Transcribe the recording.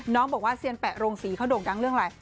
น้องบอกว่าเซียนแปะโรงศรีเขาโด่งดังเรื่องอะไร